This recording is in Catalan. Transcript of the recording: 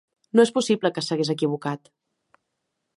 No és possible que s'hagués equivocat.